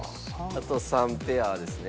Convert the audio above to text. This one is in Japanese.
あと３ペアですね。